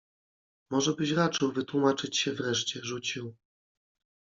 - Może byś raczył wytłumaczyć się wreszcie! - rzucił.